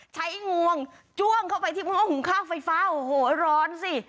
งวงจ้วงเข้าไปที่ห้อหุงข้าวไฟฟ้าโอ้โหร้อนสิ